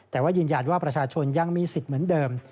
แต่ว่ายืนยันว่าประชาชนยังมีสิทธิ์เหมือนเดิม